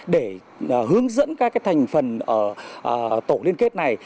để hướng dẫn các thành phần ở tổ liên kết này